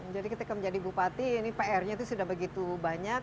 jadi ketika menjadi bupati ini pr nya itu sudah begitu banyak